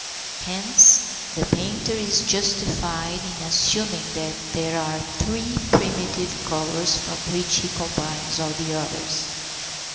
Hence the painter is justified in assuming that there are three primitive colours from which he combines all the others.